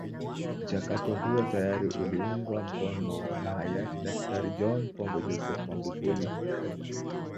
Mchakato huo tayari uliungwa mkono na hayati Daktari John Pombe Joseph Magufuli